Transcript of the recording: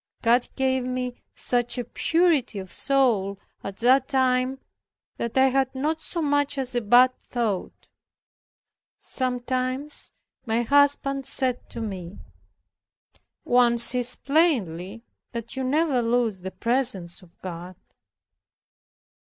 God gave me such a purity of soul at that time, that I had not so much as a bad thought. Sometimes my husband said to me, "One sees plainly that you never lose the presence of God."